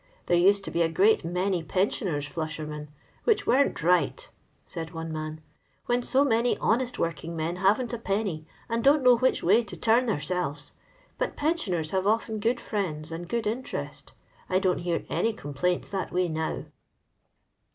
There used to be a great many pensioners flushermen, which weren't right," said one man, ''when so many honest working men haven't a penny, and don't know which way to turn theirselves; but pen 'sioucrs have often good friends and good interest. I don't hear any complaints that way now."